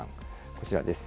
こちらです。